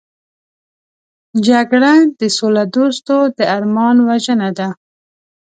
جګړه د سولهدوستو د ارمان وژنه ده